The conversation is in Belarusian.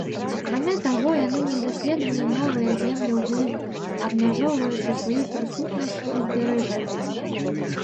Акрамя таго, яны не даследавалі новыя землі ўглыб, абмяжоўваючы сваю прысутнасць узбярэжжамі.